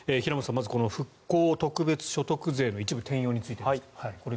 まずこの復興特別所得税の一部転用についていかがですか。